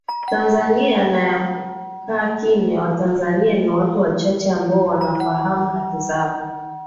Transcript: tanzania na ya kukaa kimya watanzania ni watu wachache ambao wanafahamu haki zao